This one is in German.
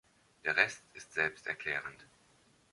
Der Rest ist selbsterklärend.